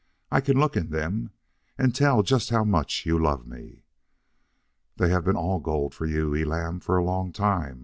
"I can look in them and tell just how much you love me." "They have been all gold for you, Elam, for a long time.